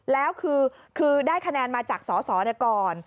แล้วคือได้คะแนนมาจากสอสอก่อน